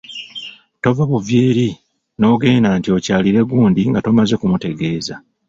Tova buvi eri n'ogenda nti okyalire gundi nga tomaze kumutegeeza.